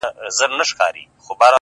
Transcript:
• مینه چي مو وڅاڅي له ټولو اندامو،